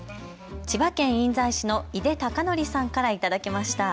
千葉県印西市の井手隆範さんから頂きました。